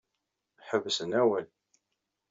Ḥebsen awal.